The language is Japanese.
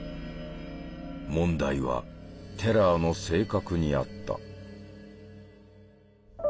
問題はテラーの性格にあった。